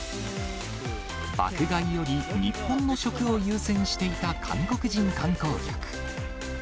爆買いより日本の食を優先していた韓国人観光客。